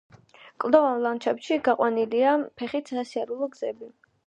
კლდოვან ლანდშაფტში გაყვანილია ფეხით სასიარულო გზები.